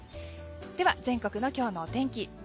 では、全国の今日のお天気。